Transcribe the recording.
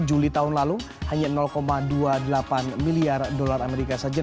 juli tahun lalu hanya dua puluh delapan miliar dolar amerika saja